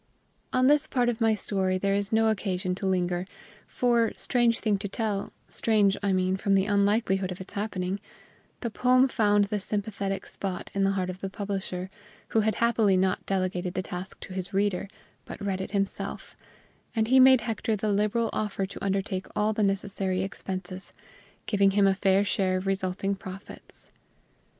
On this part of my story there is no occasion to linger; for, strange thing to tell, strange, I mean, from the unlikelihood of its happening, the poem found the sympathetic spot in the heart of the publisher, who had happily not delegated the task to his reader, but read it himself; and he made Hector the liberal offer to undertake all the necessary expenses, giving him a fair share of resulting profits.